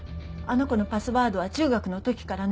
あの子のパスワードは中学の時から７５８０。